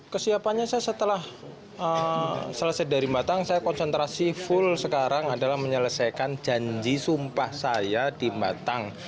kesiapannya saya setelah selesai dari batang saya konsentrasi full sekarang adalah menyelesaikan janji sumpah saya di batang